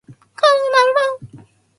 家族のアルバム